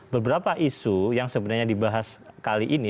beberapa isu yang sebenarnya dibahas kali ini